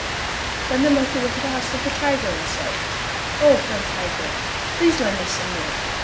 Then the monkey went to the house of the tiger and said, "O, friend tiger, please lend me some meal.